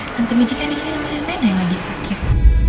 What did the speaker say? tante amici kan disini rena yang lagi sakit